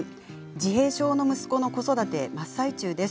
自閉症の息子の子育て真っ最中です。